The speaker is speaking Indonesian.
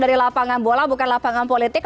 dari lapangan bola bukan lapangan politik